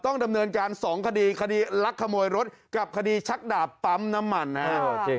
ต้องดำเนินการ๒คดีคดีลักขโมยรถกับคดีชักดาบปั๊มน้ำมันนะครับ